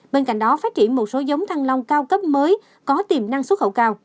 bên cạnh đó phát triển một số giống thanh long cao cấp mới có tiềm năng xuất khẩu cao